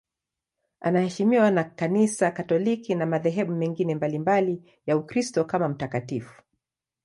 Anaheshimiwa na Kanisa Katoliki na madhehebu mengine mbalimbali ya Ukristo kama mtakatifu.